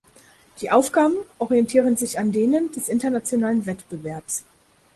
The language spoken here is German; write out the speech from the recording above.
Die Aufgaben orientieren sich an denen des internationalen Wettbewerbs.